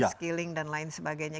skilling dan lain sebagainya